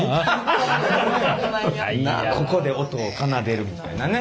ここで音を奏でるみたいなね。